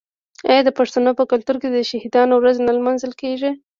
آیا د پښتنو په کلتور کې د شهیدانو ورځ نه لمانځل کیږي؟